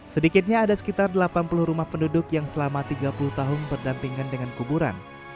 sedikitnya ada sekitar delapan puluh rumah penduduk yang selama tiga puluh tahun berdampingan dengan kuburan